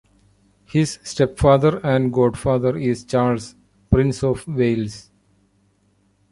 His stepfather and godfather is Charles, Prince of Wales.